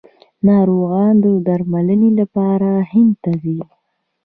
ناروغان د درملنې لپاره هند ته ځي.